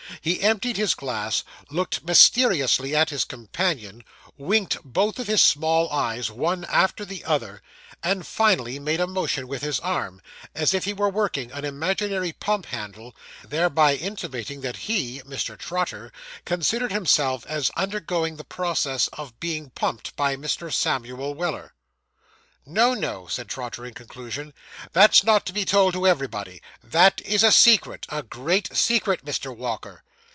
He emptied his glass, looked mysteriously at his companion, winked both of his small eyes, one after the other, and finally made a motion with his arm, as if he were working an imaginary pump handle; thereby intimating that he (Mr. Trotter) considered himself as undergoing the process of being pumped by Mr. Samuel Weller. 'No, no,' said Mr. Trotter, in conclusion, 'that's not to be told to everybody. That is a secret a great secret, Mr. Walker.